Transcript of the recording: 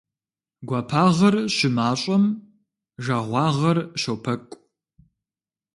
Гуапагъэр щымащӀэм жагъуагъэр щопэкӀу.